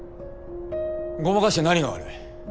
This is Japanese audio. ごまかして何が悪い！